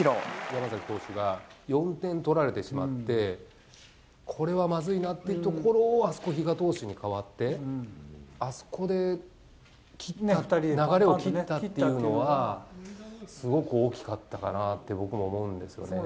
山崎投手が４点取られてしまって、これはまずいなってところを、あそこ、比嘉投手に代わって、あそこで流れを切ったっていうのは、すごく大きかったかなって、僕も思うんですよね。